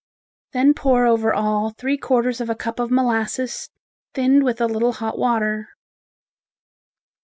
Then pour over all three quarters of a cup of molasses thinned with a little hot water.